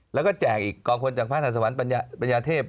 แล้วก็แจกอีกกองคนจากพระทัศนภัณฑ์ปัญญาเทพ